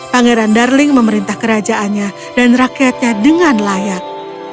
pangeran darling memerintah kerajaannya dan rakyatnya dengan layak